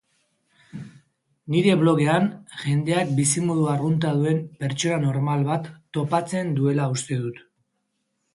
Nire blogean jendeak bizimodu arrunta duen pertsona normal bat topatzen duela uste dut.